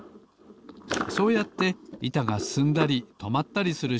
そうやっていたがすすんだりとまったりする